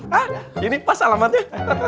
hah ini pas alamatnya